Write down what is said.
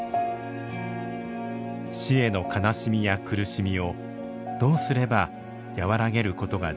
死への悲しみや苦しみをどうすれば和らげることができるのか。